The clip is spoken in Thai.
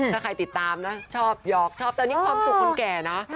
ถ้าใครติดตามนะชอบหยอกชอบแต่นี่ความสุขคนแก่นะ